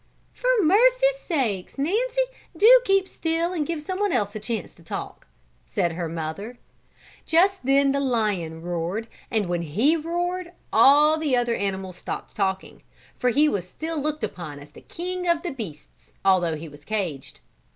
"For mercy sakes! Nancy, do keep still and give some one else a chance to talk," said her mother. Just then the lion roared and when he roared, all the other animals stopped talking for he was still looked upon as king of the beasts although he was caged.